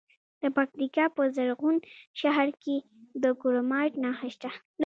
د پکتیکا په زرغون شهر کې د کرومایټ نښې شته.